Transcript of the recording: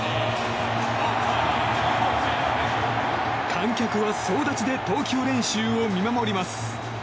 観客は総立ちで投球練習を見守ります。